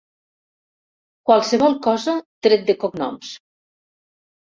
Qualsevol cosa tret de cognoms.